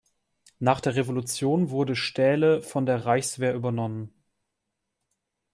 Nach der Revolution wurde Staehle von der Reichswehr übernommen.